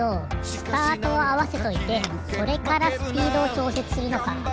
スタートをあわせといてそれからスピードをちょうせつするのか。